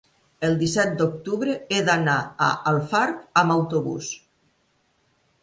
El disset d'octubre he d'anar a Alfarb amb autobús.